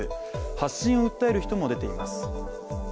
発疹を訴える人も出ています。